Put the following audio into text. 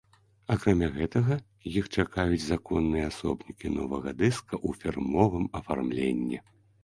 Акрамя гэтага іх чакаюць законныя асобнікі новага дыска ў фірмовым афармленні.